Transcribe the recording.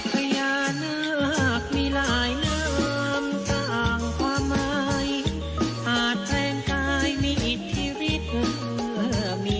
พญานาคมีหลายน้ำต่างความใหม่อาจแพร่งกายมีอิทธิฤทธิ์มีผิดทรง